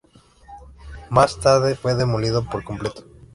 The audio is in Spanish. Más tarde fue demolido por completo.